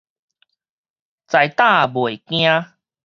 在膽袂驚